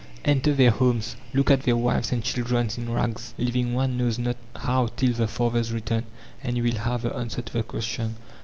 Enter their homes, look at their wives and children in rags, living one knows not how till the father's return, and you will have the answer to the question.